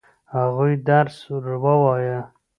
هغوی درس ووايه؟